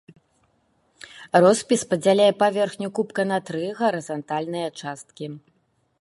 Роспіс падзяляе паверхню кубка на тры гарызантальныя часткі.